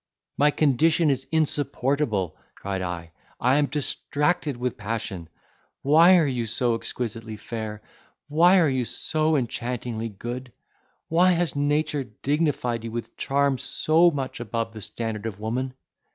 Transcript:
"My condition is insupportable!" cried I: "I am distracted with passion! Why are you so exquisitely fair?—why are you so enchantingly good?—why has nature dignified you with charms so much above the standard of woman?